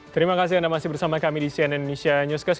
terima kasih anda masih bersama kami di cnn indonesia newscast